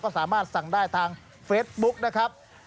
ก็สามารถสั่งได้ทางเฟซบุ๊กนะครับ